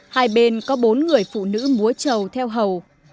hai bên có bốn người phụ nữ múa trầu theo hầu